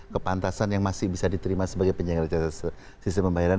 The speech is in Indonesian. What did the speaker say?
kepantasan yang masih bisa diterima sebagai penjaga jasa sisi pembayaran